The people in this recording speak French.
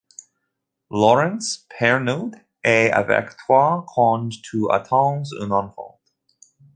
Laurence Pernoud est avec toi quand tu Attends un enfant.